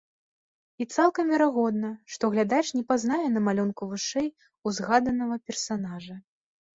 І цалкам верагодна, што глядач не пазнае на малюнку вышэй узгаданага персанажа.